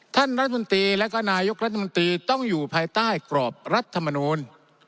ท่านรัฐมนตรีและก็นายกรัฐมนตรีต้องอยู่ภายใต้กรอบรัฐมนูล